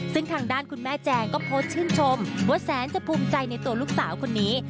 ซึ่งทางด้านคุณแม่แจงก็โพสต์ชื่นชมว่าแสนจะภูมิใจในตัวลูกสาวคนนี้